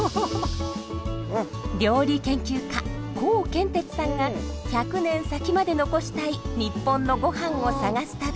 料理研究家コウケンテツさんが１００年先まで残したい日本のゴハンを探す旅。